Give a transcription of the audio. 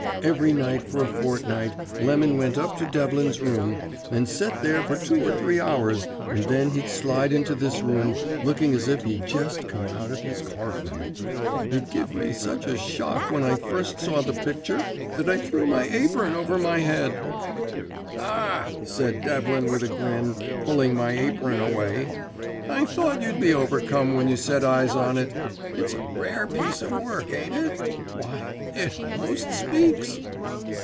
Every night for a fortnight Lemon went up to Devlin's room, and set there for two or three hours, and then he'd slide into this room looking as if he'd jest come out of his corfin. It give me such a shock when I first saw the picture that I threw my apern over my head. "'Ah,' said Devlin with a grin, pulling my apern away, 'I thought you'd be overcome when you set eyes on it. It's a rare piece of work, ain't it? Why, it almost speaks!'